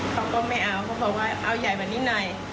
เขาก็ไม่เอาเขาบอกว่าเอาใหญ่กว่านี้หน่อย